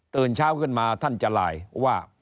ตื่นเช้าขึ้นมาท่านจะไลน์ว่า